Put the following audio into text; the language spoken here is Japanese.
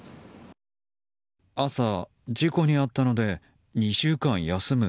朝、事故に遭ったので２週間休む。